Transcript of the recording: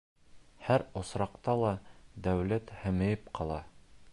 Һәр осраҡта ла дәүләт һемәйеп ҡала.